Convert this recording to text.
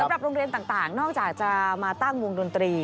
สำหรับโรงเรียนต่างนอกจากจะมาตั้งวงดนตรี